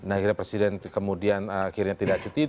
akhirnya presiden tidak cuti